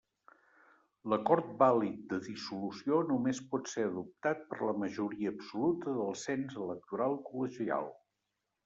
L'acord vàlid de dissolució només pot ser adoptat per la majoria absoluta del cens electoral col·legial.